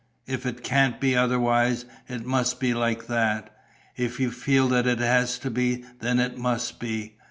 If it can't be otherwise, it must be like that. If you feel that it has to be, then it must be.